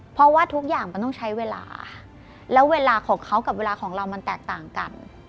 เพราะว่าทุกอย่างมันต้องใช้เวลาแล้วเวลาของเขากับเวลาของเรามันแตกต่างกัน